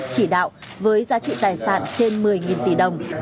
chỉ đạo với giá trị tài sản trên một mươi tỷ đồng